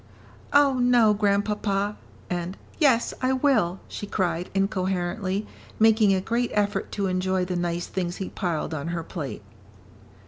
"Oh, no, Grandpapa," and "yes, I will," she cried, incoherently, making a great effort to enjoy the nice things he piled on her plate.